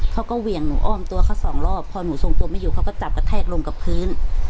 เขาก็เหวี่ยงหนูอ้อมตัวเขาสองรอบพอหนูทรงตัวไม่อยู่เขาก็จับกระแทกลงกับพื้น